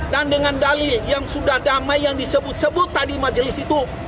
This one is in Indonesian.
dan dengan dalil yang sudah damai yang disebut sebut tadi majelis hikmah